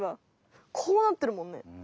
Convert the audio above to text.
こうなってるもんね。